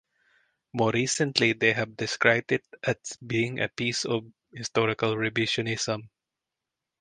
More recently they have described it as being a piece of historical revisionism.